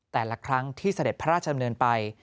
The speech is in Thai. แต่ละครั้งที่เสด็จพระราชดำเนินไป